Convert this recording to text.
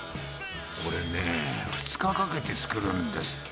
これねぇ、２日かけて作るんですって。